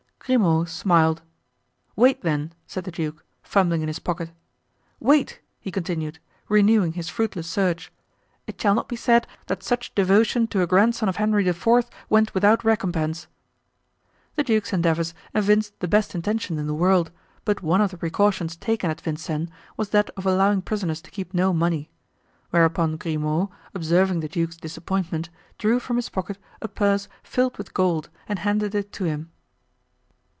Grimaud smiled. "Wait, then," said the duke, fumbling in his pocket. "Wait," he continued, renewing his fruitless search; "it shall not be said that such devotion to a grandson of Henry IV. went without recompense." The duke's endeavors evinced the best intention in the world, but one of the precautions taken at Vincennes was that of allowing prisoners to keep no money. Whereupon Grimaud, observing the duke's disappointment, drew from his pocket a purse filled with gold and handed it to him.